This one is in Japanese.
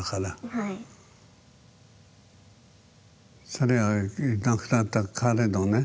それが亡くなった彼のね